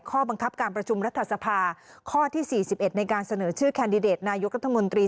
ข้อบังคับการประชุมรัฐสภาข้อที่๔๑ในการเสนอชื่อแคนดิเดตนายกรัฐมนตรี